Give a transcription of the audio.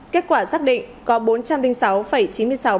kết quả xác định có bốn trăm linh binh sản